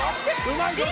うまいぞ！